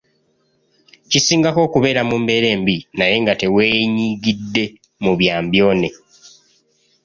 Kisingako okubeera mu mbeera embi naye nga teweenyigidde mu byambyone.